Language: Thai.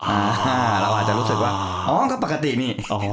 อ่าหลวงอาจจะรู้สึกว่าอ๋อก็ปกติมิ